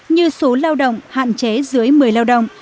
như số lao động hạn chế dưới một mươi lao động